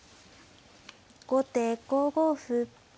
後手５五歩。